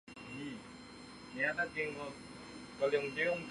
郗恢人。